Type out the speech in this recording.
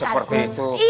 yang seperti itu